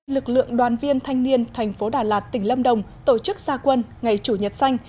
lực lượng đoàn viên thanh niên thành phố đà lạt tỉnh lâm đồng tổ chức gia quân ngày chủ nhật xanh